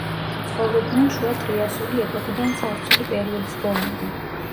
ცხოვრობდნენ შუა ტრიასული ეპოქიდან ცარცული პერიოდის ბოლომდე.